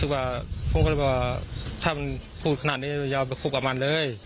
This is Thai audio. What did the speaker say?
มันคิดว่าถ้ามันขู่ขนาดนี้จะเอาไปขู่กับมันเลย